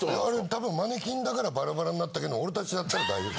たぶんマネキンだからバラバラになったけど俺たちだったら大丈夫。